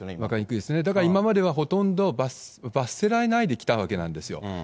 ですから今まではほとんど罰せられないできたわけなんですよ。